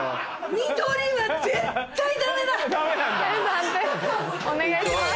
判定お願いします。